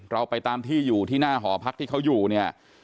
เราไปตามที่อยู่ที่หน้าหอพักที่เขาอยู่เนี่ย